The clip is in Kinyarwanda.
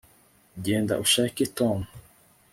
genda ushake tom